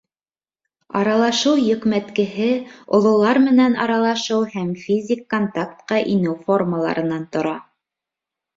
Аралашыу йөкмәткеһе ололар менән аралашыу һәм физик контактҡа инеү формаларынан тора.